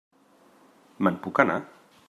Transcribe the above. Me'n puc anar?